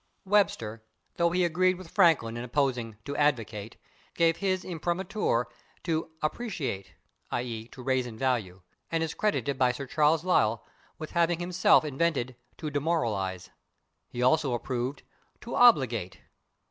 Webster, though he agreed with Franklin in opposing /to advocate/, gave his /imprimatur/ to /to appreciate/ (/i. e./, to rise in value), and is credited by Sir Charles Lyell with having himself invented /to demoralize/. He also approved /to obligate